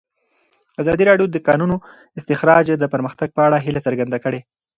ازادي راډیو د د کانونو استخراج د پرمختګ په اړه هیله څرګنده کړې.